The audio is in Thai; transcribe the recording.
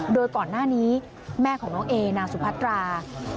โดยก่อนหน้านี้แม่ของน้องเอนางสุพัตรา